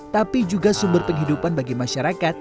tapi juga sumber penghidupan bagi masyarakat